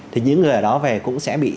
thì những người ở đó về cũng sẽ bị